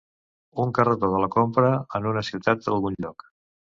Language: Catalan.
Un carretó de la compra en una ciutat d'algun lloc.